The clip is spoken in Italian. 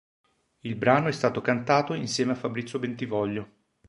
Il brano è stato cantato insieme a Fabrizio Bentivoglio.